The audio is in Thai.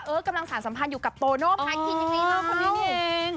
เอิ้อกำลังสารสัมพันธ์อยู่กับโตโน่พาคินอย่างนี้นิ่ง